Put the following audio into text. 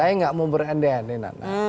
saya gak mau berendean